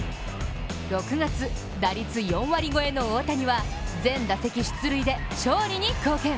６月、打率４割超えの大谷は全打席出塁で勝利に貢献。